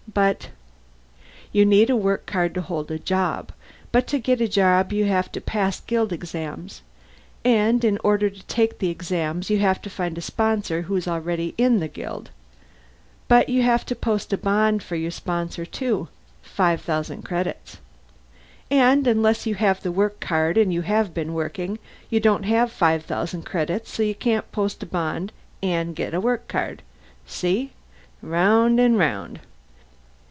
"But " "You need a work card to hold a job. But to get a job, you have to pass guild exams. And in order to take the exams you have to find a sponsor who's already in the guild. But you have to post bond for your sponsor, too five thousand credits. And unless you have the work card and have been working, you don't have the five thousand, so you can't post bond and get a work card. See? Round and round."